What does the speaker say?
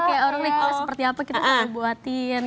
kayak orang orang kue seperti apa kita mau buatin